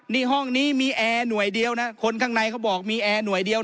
นี่ห้องนี้มีแอร์หน่วยเดียวนะคนข้างในเขาบอกมีแอร์หน่วยเดียว